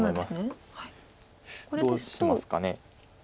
どうしますかね。